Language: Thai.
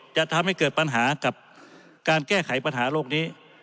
จะทำให้เกิดปัญหากับการแก้ไขปัญหาโลกนี้